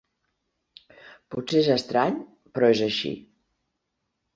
Potser és estrany, però és així!